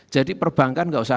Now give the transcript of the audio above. jadi perbankan enggak usah